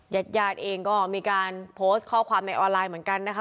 ญาติญาติเองก็มีการโพสต์ข้อความในออนไลน์เหมือนกันนะคะ